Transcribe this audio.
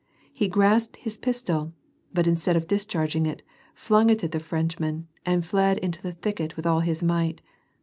He grasped his pistol, but instead of discharging it, flung it at the Frenchmen, and fled into the thicket with all his might.